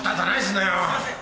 すいません。